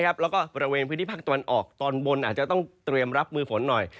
แล้วก็บริเวณพื้นที่ภาคตะวันออกตอนบนอาจจะต้องเตรียมรับมือฝนหน่อย